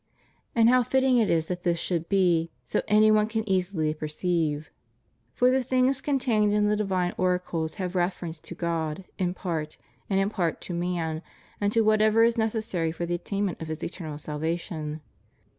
And how fitting it is that this should be so any one can easily perceive. For the things contained in the divine oracles have reference to God in part, and in part to man, and to whatever is necessary for the attain ment of his eternal salvation.